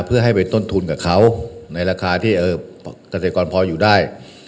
เพื่อให้ไปต้นทุนกับเขาในราคาที่เกษตรกรพออยู่ได้